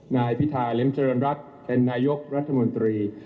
นายพิธาริมเจริญรัฐเป็นนายกรัฐมนตรี